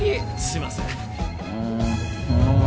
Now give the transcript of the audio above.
すいません